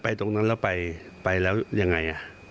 ตรงนั้นแล้วไปแล้วยังไง